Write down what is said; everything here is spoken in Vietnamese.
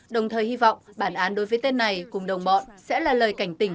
đồng thời hy vọng bản án đối với tên này cùng đồng bọn sẽ là lời cảnh tình